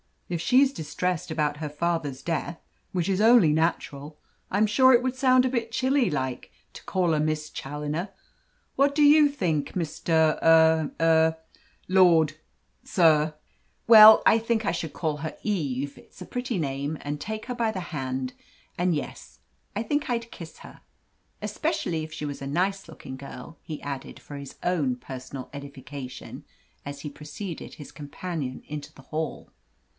if she's distressed about her father's death which is only natural, I'm sure it would sound a bit chilly like to call her Miss Challoner. What do you think, Mr. eh er Lord sir?" "Well, I think I should call her Eve it's a pretty name and take her by the hand, and yes, I think I'd kiss her. Especially if she was a nice looking girl," he added for his own personal edification as he preceded his companion into the hall.